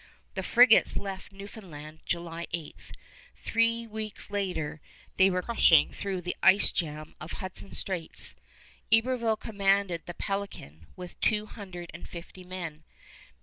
The frigates left Newfoundland July 8. Three weeks later they were crushing through the ice jam of Hudson Straits. Iberville commanded the Pelican with two hundred and fifty men.